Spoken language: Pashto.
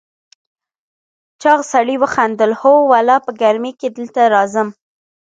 چاغ سړي وخندل: هو والله، په ګرمۍ کې دلته راځم.